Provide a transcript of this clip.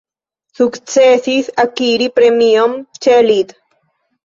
Sukcesis akiri premion ĉe lit.